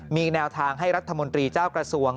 มีแนวทางให้รัฐมนตรีเจ้ากระทรวง